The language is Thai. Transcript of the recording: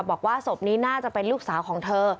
บอกว่าศพนี้น่าจะเป็นลูกสาวของเธอ